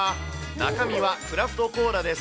中身はクラフトコーラです。